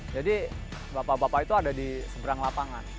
jadi bapak bapak itu ada di seberang lapangan